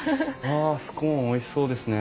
わあスコーンおいしそうですね。